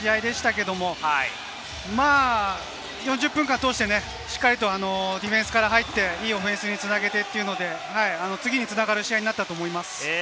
チーム全員で戦った試合でしたけども、４０分間を通してしっかりとディフェンスから入って、いいオフェンスにつなげて、次につながる試合になったと思います。